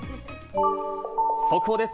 速報です。